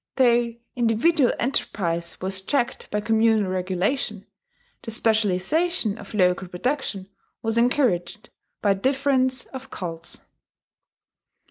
Though individual enterprise was checked by communal regulation, the specialization of local production was encouraged by difference of cults.